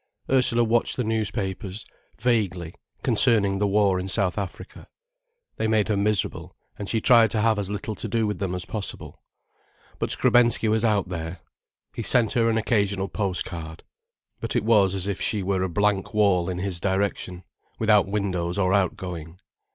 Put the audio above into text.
Ursula watched the newspapers, vaguely, concerning the war in South Africa. They made her miserable, and she tried to have as little to do with them as possible. But Skrebensky was out there. He sent her an occasional post card. But it was as if she were a blank wall in his direction, without windows or outgoing.